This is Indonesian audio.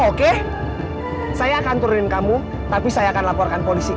oke saya akan turunin kamu tapi saya akan laporkan polisi